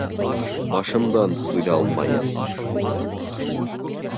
Башымдан түҙә алмайым.